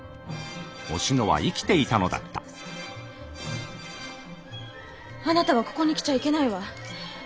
おしのは生きていたのだったあなたはここに来ちゃいけないわ。